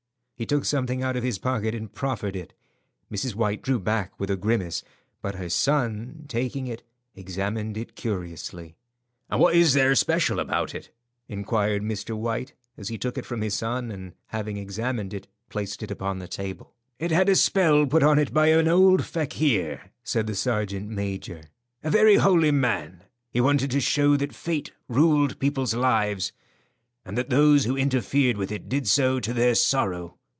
He took something out of his pocket and proffered it. Mrs. White drew back with a grimace, but her son, taking it, examined it curiously. "And what is there special about it?" inquired Mr. White as he took it from his son, and having examined it, placed it upon the table. "It had a spell put on it by an old fakir," said the sergeant major, "a very holy man. He wanted to show that fate ruled people's lives, and that those who interfered with it did so to their sorrow.